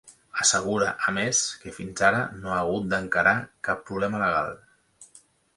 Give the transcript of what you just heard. Assegura, a més, que fins ara no ha hagut d’encarar cap problema legal.